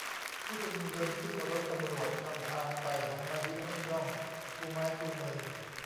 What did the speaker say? ผู้ชุมนุมเดินขึ้นรถ ตำรวจนำทางไป หันมายิ้มให้กล้องชูไม้ชูมือ